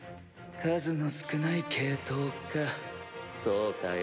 数の少ない系統かそうかよ。